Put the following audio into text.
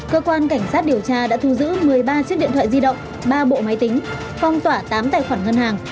cơ quan cảnh sát điều tra đã thu giữ một mươi ba chiếc điện thoại di động ba bộ máy tính phong tỏa tám tài khoản ngân hàng